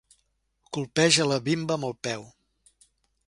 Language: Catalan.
Colpeja la bimba amb el peu.